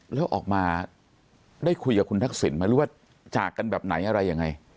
แล้วออกมาได้คุยกับคุณทักษิณไหมหรือว่าจากกันแบบไหนอะไรยังไง